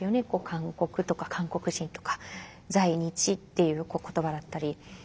「韓国」とか「韓国人」とか「在日」っていう言葉だったり。